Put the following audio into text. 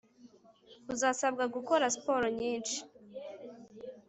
Uzasabwa gukora siporo nyinshi